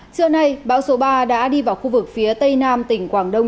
trước nay báo số ba đã đi vào khu vực phía tây nam tỉnh quảng đông